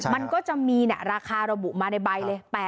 มันก็จะมีราคาระบุมาในใบเลย